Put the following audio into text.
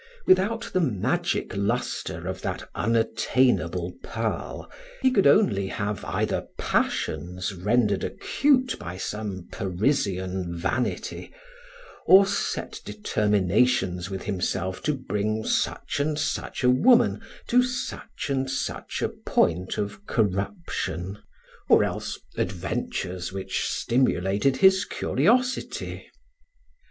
Without the magic lustre of that unattainable pearl he could only have either passions rendered acute by some Parisian vanity, or set determinations with himself to bring such and such a woman to such and such a point of corruption, or else adventures which stimulated his curiosity.